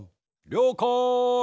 りょうかい。